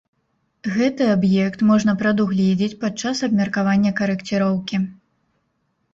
Гэты аб'ект можна прадугледзець падчас абмеркавання карэкціроўкі.